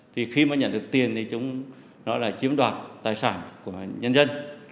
thì khi mà nhận được tiền thì chúng nó là chiếm đoạt tài sản của nhân dân